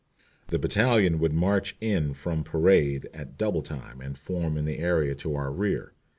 The battalion would march in from parade at double time and form in the area to our rear.